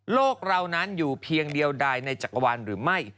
เรานั้นอยู่เพียงเดียวใดในจักรวาลหรือไม่